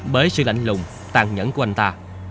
bởi sự lạnh lùng tàn nhẫn của anh ta